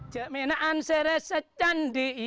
jika menangkan saya saya akan berpikir